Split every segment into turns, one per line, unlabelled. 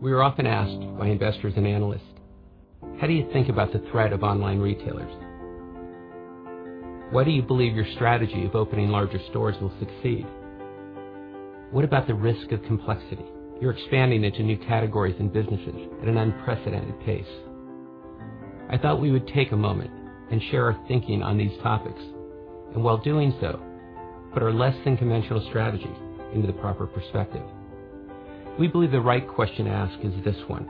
We are often asked by investors and analysts: How do you think about the threat of online retailers? Why do you believe your strategy of opening larger stores will succeed? What about the risk of complexity? You are expanding into new categories and businesses at an unprecedented pace. I thought we would take a moment and share our thinking on these topics, and while doing so, put our less than conventional strategies into the proper perspective. We believe the right question to ask is this one: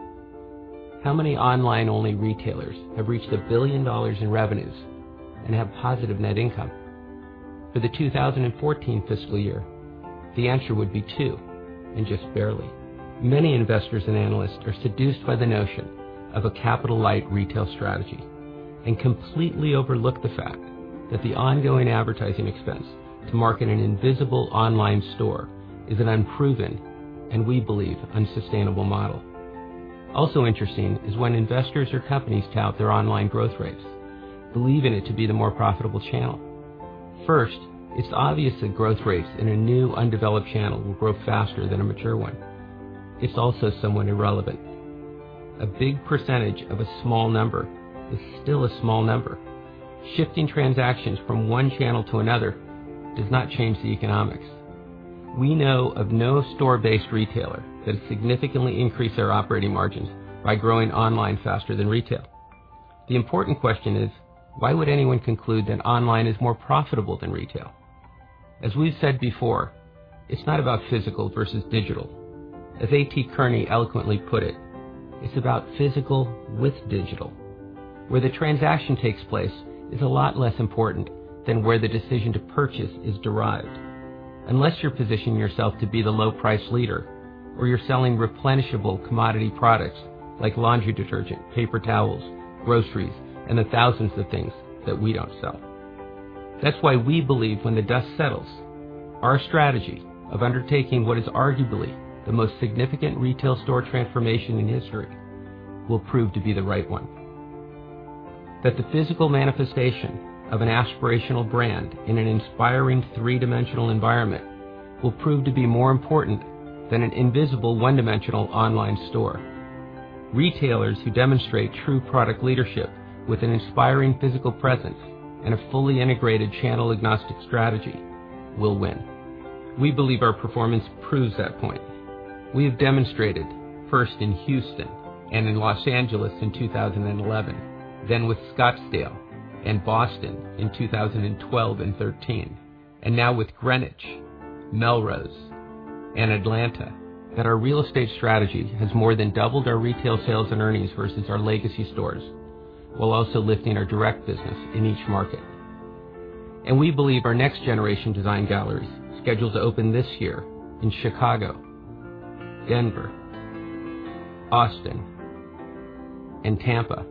How many online-only retailers have reached $1 billion in revenues and have positive net income? For the 2014 fiscal year, the answer would be two, and just barely. Many investors and analysts are seduced by the notion of a capital-light retail strategy and completely overlook the fact that the ongoing advertising expense to market an invisible online store is an unproven, and we believe, unsustainable model. Also interesting is when investors or companies tout their online growth rates, believing it to be the more profitable channel. First, it's obvious that growth rates in a new, undeveloped channel will grow faster than a mature one. It's also somewhat irrelevant. A big percentage of a small number is still a small number. Shifting transactions from one channel to another does not change the economics. We know of no store-based retailer that has significantly increased their operating margins by growing online faster than retail. The important question is: Why would anyone conclude that online is more profitable than retail? As we've said before, it's not about physical versus digital. As A.T. Kearney eloquently put it, "It's about physical with digital." Where the transaction takes place is a lot less important than where the decision to purchase is derived. Unless you're positioning yourself to be the low-price leader or you're selling replenishable commodity products like laundry detergent, paper towels, groceries, and the thousands of things that we don't sell. That's why we believe when the dust settles, our strategy of undertaking what is arguably the most significant retail store transformation in history will prove to be the right one. That the physical manifestation of an aspirational brand in an inspiring three-dimensional environment will prove to be more important than an invisible one-dimensional online store. Retailers who demonstrate true product leadership with an inspiring physical presence and a fully integrated channel-agnostic strategy will win. We believe our performance proves that point. We have demonstrated, first in Houston, and in Los Angeles in 2011, then with Scottsdale and Boston in 2012 and 2013, and now with Greenwich, Melrose, and Atlanta, that our real estate strategy has more than doubled our retail sales and earnings versus our legacy stores, while also lifting our direct business in each market. We believe our next generation Design Galleries, scheduled to open this year in Chicago, Denver, Austin, and Tampa,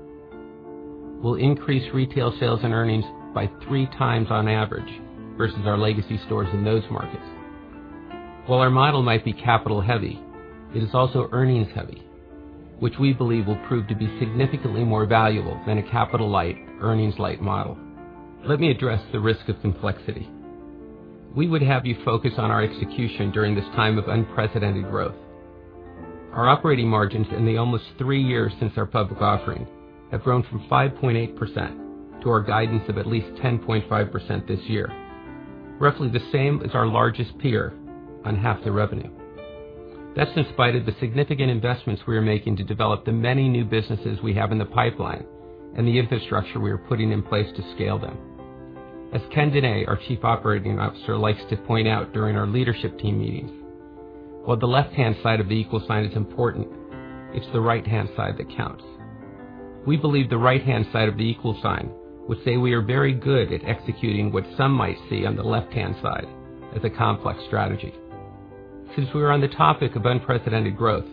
will increase retail sales and earnings by three times on average versus our legacy stores in those markets. While our model might be capital heavy, it is also earnings heavy, which we believe will prove to be significantly more valuable than a capital-light, earnings-light model. Let me address the risk of complexity. We would have you focus on our execution during this time of unprecedented growth. Our operating margins in the almost three years since our public offering have grown from 5.8% to our guidance of at least 10.5% this year. Roughly the same as our largest peer on half the revenue. That's in spite of the significant investments we are making to develop the many new businesses we have in the pipeline and the infrastructure we are putting in place to scale them. As DeMonty Price, our Chief Operating Officer, likes to point out during our leadership team meetings, while the left-hand side of the equal sign is important, it's the right-hand side that counts. We believe the right-hand side of the equal sign would say we are very good at executing what some might see on the left-hand side as a complex strategy. We are on the topic of unprecedented growth,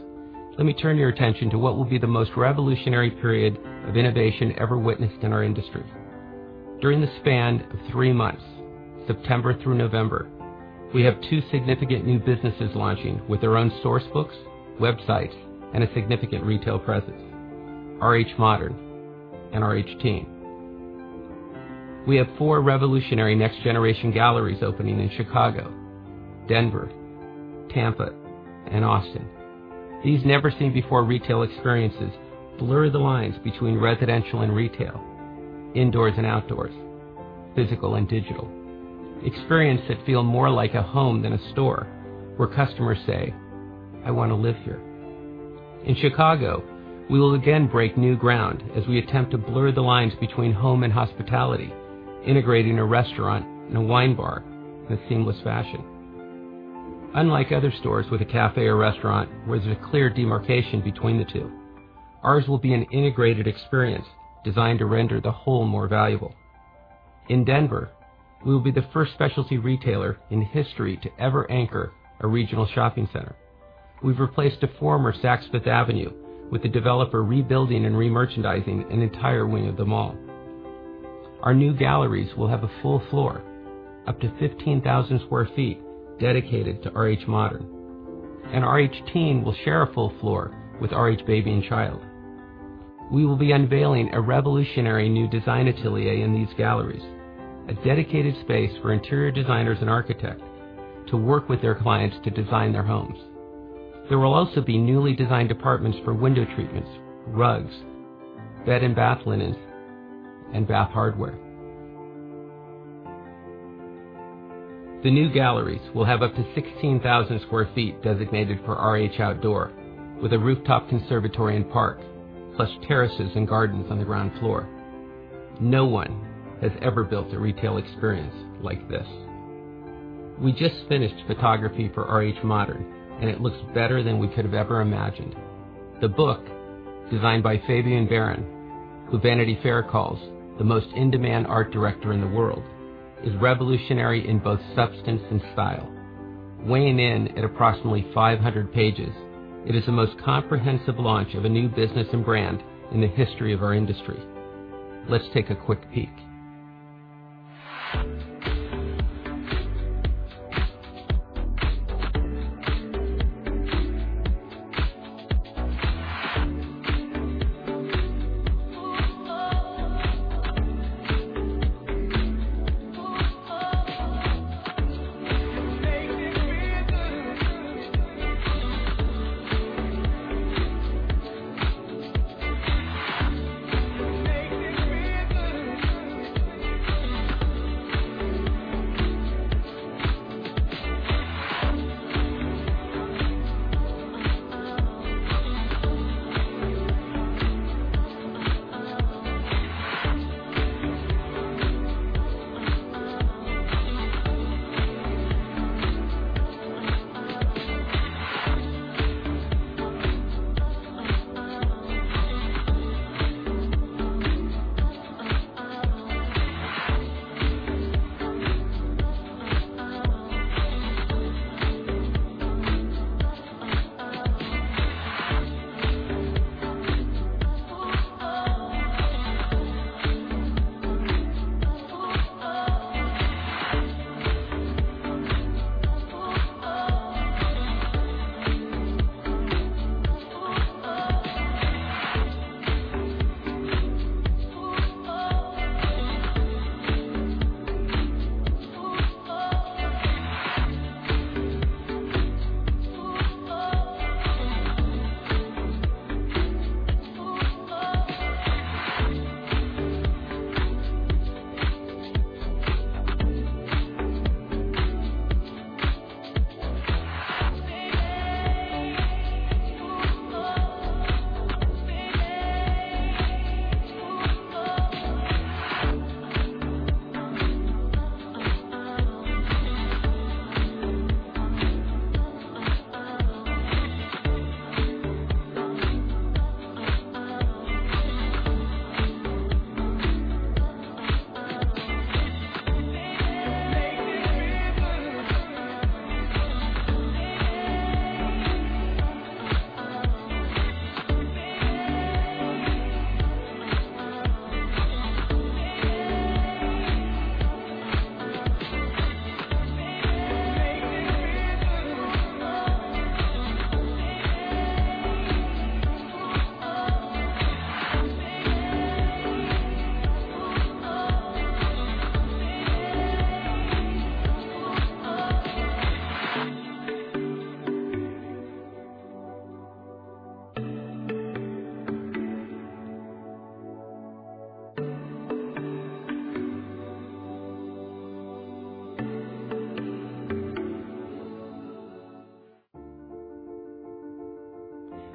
let me turn your attention to what will be the most revolutionary period of innovation ever witnessed in our industry. During the span of three months, September through November, we have two significant new businesses launching with their own sourcebooks, websites, and a significant retail presence, RH Modern and RH Teen. We have four revolutionary next generation Design Galleries opening in Chicago, Denver, Tampa, and Austin. These never-seen-before retail experiences blur the lines between residential and retail, indoors and outdoors, physical and digital. Experience that feel more like a home than a store, where customers say, "I want to live here." In Chicago, we will again break new ground as we attempt to blur the lines between home and hospitality, integrating a restaurant and a wine bar in a seamless fashion. Unlike other stores with a cafe or restaurant where there's a clear demarcation between the two, ours will be an integrated experience designed to render the whole more valuable. In Denver, we will be the first specialty retailer in history to ever anchor a regional shopping center. We've replaced a former Saks Fifth Avenue with the developer rebuilding and remerchandising an entire wing of the mall. Our new galleries will have a full floor, up to 15,000 sq ft, dedicated to RH Modern. RH Teen will share a full floor with RH Baby & Child. We will be unveiling a revolutionary new design atelier in these galleries, a dedicated space for interior designers and architects to work with their clients to design their homes. There will also be newly designed departments for window treatments, rugs, bed and bath linens, and bath hardware. The new galleries will have up to 16,000 sq ft designated for RH Outdoor, with a rooftop conservatory and park, plus terraces and gardens on the ground floor. No one has ever built a retail experience like this. We just finished photography for RH Modern, and it looks better than we could have ever imagined. The book, designed by Fabien Baron, who Vanity Fair calls the most in-demand art director in the world, is revolutionary in both substance and style. Weighing in at approximately 500 pages, it is the most comprehensive launch of a new business and brand in the history of our industry. Let's take a quick peek.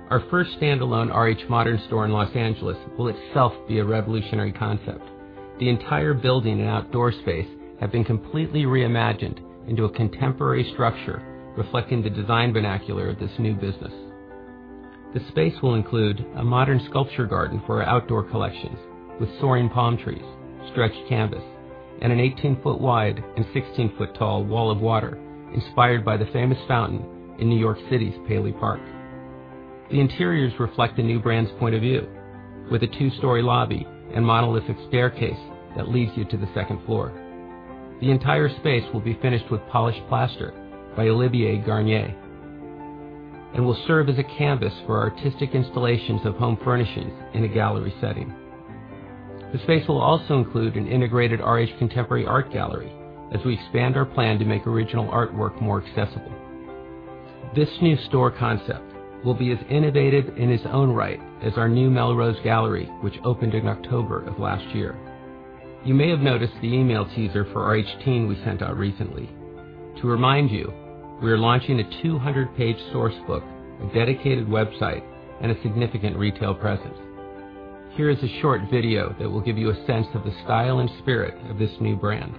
Our first standalone RH Modern store in Los Angeles will itself be a revolutionary concept. The entire building and outdoor space have been completely reimagined into a contemporary structure reflecting the design vernacular of this new business. The space will include a modern sculpture garden for our outdoor collections, with soaring palm trees, stretched canvas, and an 18-foot wide and 16-foot tall wall of water inspired by the famous fountain in New York City's Paley Park. The interiors reflect the new brand's point of view, with a two-story lobby and monolithic staircase that leads you to the second floor. The entire space will be finished with polished plaster by Olivier Garnier and will serve as a canvas for artistic installations of home furnishings in a gallery setting. The space will also include an integrated RH contemporary art gallery as we expand our plan to make original artwork more accessible. This new store concept will be as innovative in its own right as our new Melrose Gallery, which opened in October of last year. You may have noticed the email teaser for RH Teen we sent out recently. To remind you, we are launching a 200-page sourcebook, a dedicated website, and a significant retail presence. Here is a short video that will give you a sense of the style and spirit of this new brand.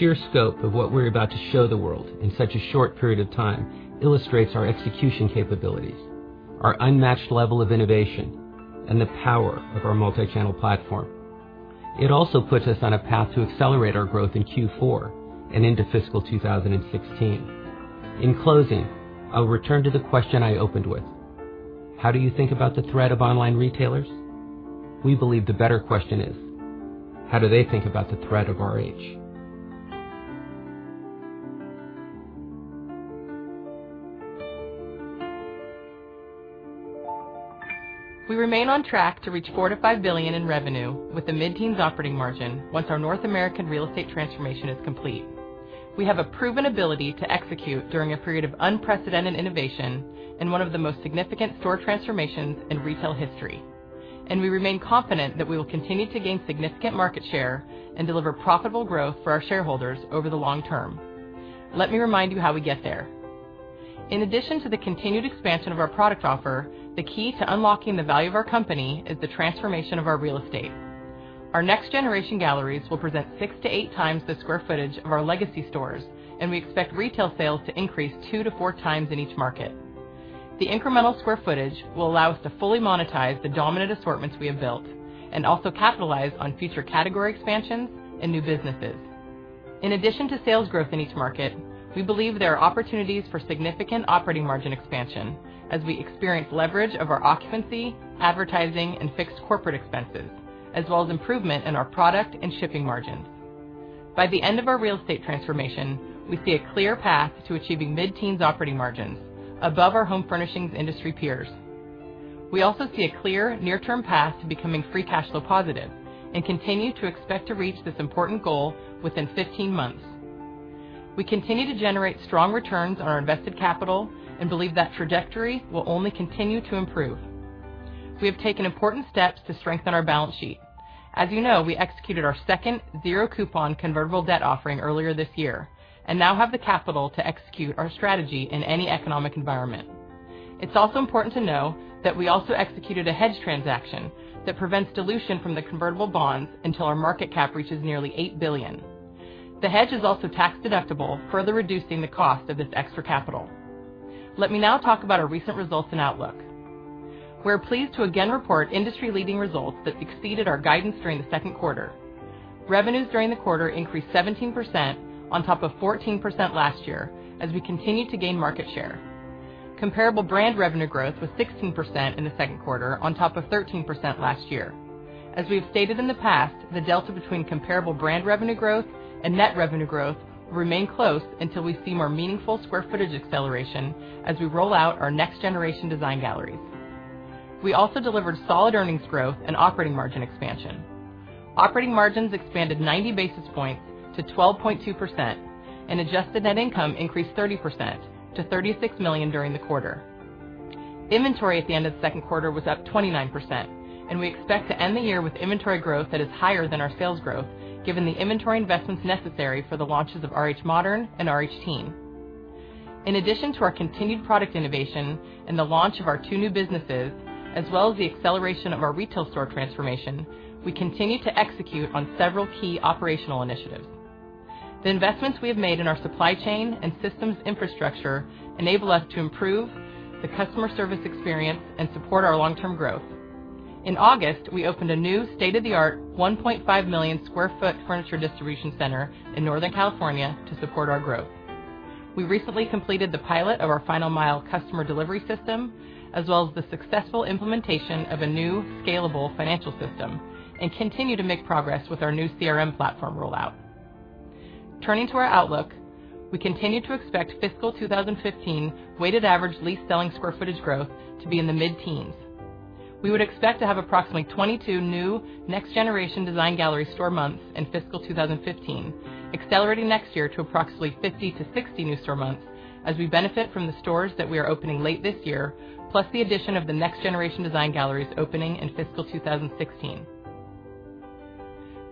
Three, two, one.
Many ways that I could say I want you.
The sheer scope of what we're about to show the world in such a short period of time illustrates our execution capabilities, our unmatched level of innovation, and the power of our multi-channel platform. It also puts us on a path to accelerate our growth in Q4 and into fiscal 2016. In closing, I'll return to the question I opened with. How do you think about the threat of online retailers? We believe the better question is, how do they think about the threat of RH?
We remain on track to reach $4 billion-$5 billion in revenue with a mid-teens operating margin once our North American real estate transformation is complete. We have a proven ability to execute during a period of unprecedented innovation in one of the most significant store transformations in retail history. We remain confident that we will continue to gain significant market share and deliver profitable growth for our shareholders over the long term. Let me remind you how we get there. In addition to the continued expansion of our product offer, the key to unlocking the value of our company is the transformation of our real estate. Our next-generation Design Galleries will present six to eight times the square footage of our legacy stores, and we expect retail sales to increase two to four times in each market. The incremental square footage will allow us to fully monetize the dominant assortments we have built and also capitalize on future category expansions and new businesses. In addition to sales growth in each market, we believe there are opportunities for significant operating margin expansion as we experience leverage of our occupancy, advertising, and fixed corporate expenses, as well as improvement in our product and shipping margins. By the end of our real estate transformation, we see a clear path to achieving mid-teens operating margins above our home furnishings industry peers. We also see a clear near-term path to becoming free cash flow positive and continue to expect to reach this important goal within 15 months. We continue to generate strong returns on our invested capital and believe that trajectory will only continue to improve. We have taken important steps to strengthen our balance sheet. As you know, we executed our second zero coupon convertible debt offering earlier this year and now have the capital to execute our strategy in any economic environment. It's also important to know that we also executed a hedge transaction that prevents dilution from the convertible bonds until our market cap reaches nearly $8 billion. The hedge is also tax-deductible, further reducing the cost of this extra capital. Let me now talk about our recent results and outlook. We're pleased to again report industry-leading results that exceeded our guidance during the second quarter. Revenues during the quarter increased 17% on top of 14% last year as we continued to gain market share. Comparable brand revenue growth was 16% in the second quarter on top of 13% last year. As we have stated in the past, the delta between comparable brand revenue growth and net revenue growth will remain close until we see more meaningful square footage acceleration as we roll out our next-generation Design Galleries. We also delivered solid earnings growth and operating margin expansion. Operating margins expanded 90 basis points to 12.2%, and adjusted net income increased 30% to $36 million during the quarter. Inventory at the end of the second quarter was up 29%, and we expect to end the year with inventory growth that is higher than our sales growth, given the inventory investments necessary for the launches of RH Modern and RH Teen. In addition to our continued product innovation and the launch of our two new businesses, as well as the acceleration of our retail store transformation, we continue to execute on several key operational initiatives. The investments we have made in our supply chain and systems infrastructure enable us to improve the customer service experience and support our long-term growth. In August, we opened a new state-of-the-art 1.5 million sq ft furniture distribution center in Northern California to support our growth. We recently completed the pilot of our final mile customer delivery system, as well as the successful implementation of a new scalable financial system, and continue to make progress with our new CRM platform rollout. Turning to our outlook, we continue to expect fiscal 2015 weighted average lease selling square footage growth to be in the mid-teens. We would expect to have approximately 22 new next-generation Design Gallery store months in fiscal 2015, accelerating next year to approximately 50 to 60 new store months as we benefit from the stores that we are opening late this year, plus the addition of the next-generation Design Galleries opening in fiscal 2016.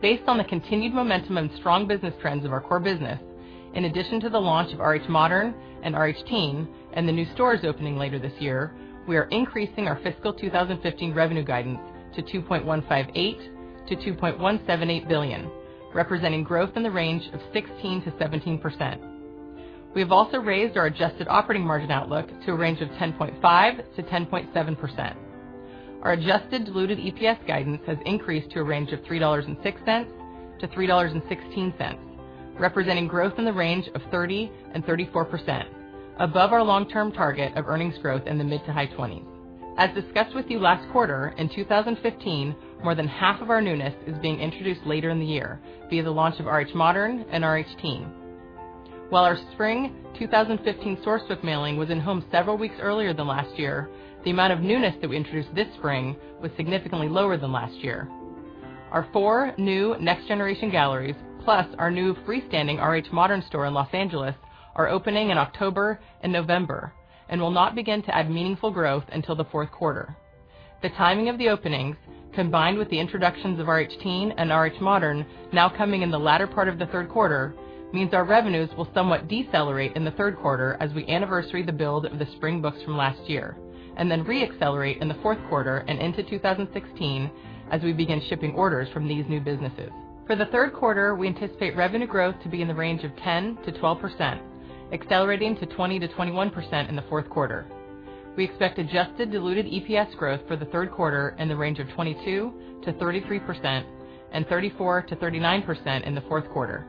Based on the continued momentum and strong business trends of our core business, in addition to the launch of RH Modern and RH Teen and the new stores opening later this year, we are increasing our fiscal 2015 revenue guidance to $2.158 billion-$2.178 billion, representing growth in the range of 16%-17%. We have also raised our adjusted operating margin outlook to a range of 10.5%-10.7%. Our adjusted diluted EPS guidance has increased to a range of $3.06-$3.16, representing growth in the range of 30% and 34%, above our long-term target of earnings growth in the mid to high 20s. As discussed with you last quarter, in 2015, more than half of our newness is being introduced later in the year via the launch of RH Modern and RH Teen. While our Spring 2015 sourcebook mailing was in home several weeks earlier than last year, the amount of newness that we introduced this spring was significantly lower than last year. Our four new next-generation Design Galleries, plus our new freestanding RH Modern store in Los Angeles, are opening in October and November and will not begin to add meaningful growth until the fourth quarter. The timing of the openings, combined with the introductions of RH Teen and RH Modern now coming in the latter part of the third quarter, means our revenues will somewhat decelerate in the third quarter as we anniversary the build of the spring books from last year and then re-accelerate in the fourth quarter and into 2016 as we begin shipping orders from these new businesses. For the third quarter, we anticipate revenue growth to be in the range of 10%-12%, accelerating to 20%-21% in the fourth quarter. We expect adjusted diluted EPS growth for the third quarter in the range of 22%-33% and 34%-39% in the fourth quarter.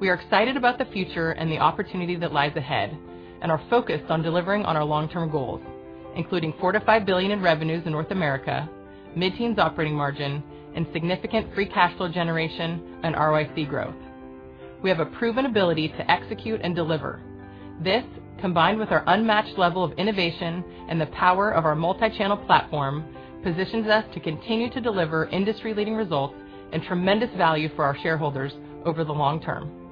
We are excited about the future and the opportunity that lies ahead and are focused on delivering on our long-term goals, including $4 billion-$5 billion in revenues in North America, mid-teens operating margin, and significant free cash flow generation and ROIC growth. We have a proven ability to execute and deliver. This, combined with our unmatched level of innovation and the power of our multi-channel platform, positions us to continue to deliver industry-leading results and tremendous value for our shareholders over the long term